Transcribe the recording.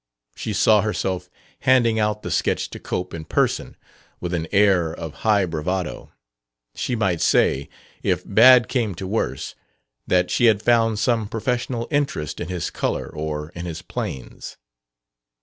She saw herself handing out the sketch to Cope in person, with an air of high bravado; she might say, if bad came to worse, that she had found some professional interest in his color or in his "planes."